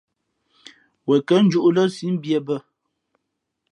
Wen kα̌ njūʼ lά sǐʼ mbīē bᾱ.